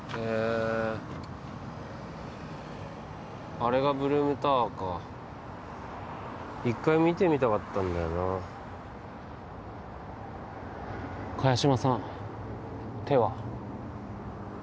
あれがブルームタワーか一回見てみたかったんだよな萱島さん手は？